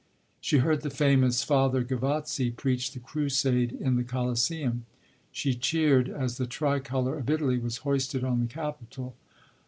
She heard the famous Father Gavazzi preach the crusade in the Colosseum. She cheered as the Tricolor of Italy was hoisted on the Capitol.